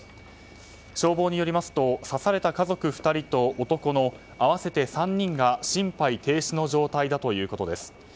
消防によりますと刺された家族２人と男の合わせて３人が心肺停止の状態だということです。